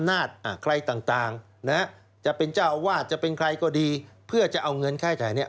อาจจะเป็นใครก็ดีเพื่อจะเอาเงินค่าใช้จ่ายนี้